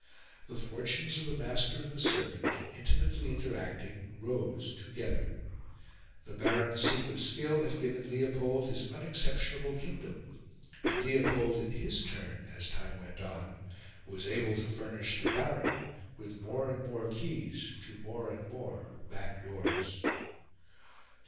The fortunes of the master and the servant, intimately interacting, rose together. The Baron's secret skill had given Leopold his unexceptionable kingdom; and Leopold, in his turn, as time went on, was able to furnish the Baron with more and more keys to more and more back doors.